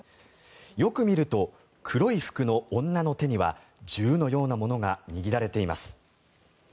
よく見ると、黒い服の女の手には銃のようなものが握られています。